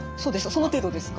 その程度ですか？